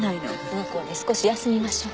向こうで少し休みましょう。